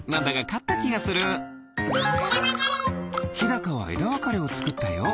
ひだかはえだわかれをつくったよ。